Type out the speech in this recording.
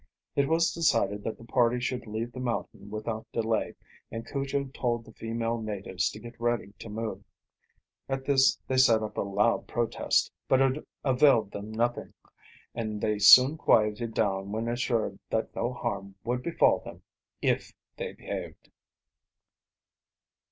It was decided that the party should leave the mountain without delay, and Cujo told the female natives to get ready to move. At this they set up a loud protest, but it availed them nothing, and they soon quieted down when assured that no harm would befall them if they behaved.